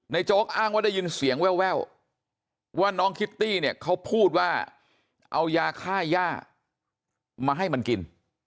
โจ๊กอ้างว่าได้ยินเสียงแววว่าน้องคิตตี้เนี่ยเขาพูดว่าเอายาค่าย่ามาให้มันกิน